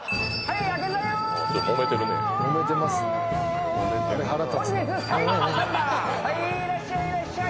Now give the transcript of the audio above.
いらっしゃいいらっしゃい。